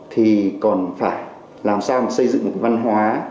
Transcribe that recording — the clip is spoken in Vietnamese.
thì còn phải làm sao mà xây dựng được văn hóa